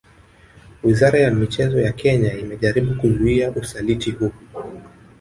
Wizara ya michezo ya Kenya imejaribu kuzuia usaliti huu